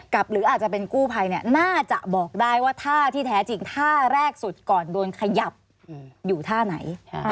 หรืออาจจะเป็นกู้ภัยน่าจะบอกได้ว่าท่าที่แท้จริงท่าแรกสุดก่อนโดนขยับอยู่ท่าไหน